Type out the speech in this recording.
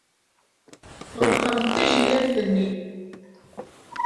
Tɣelqemt tajellabt-nni.